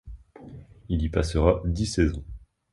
Il y passera dix saisons.